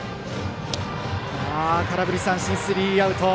空振り三振、スリーアウト。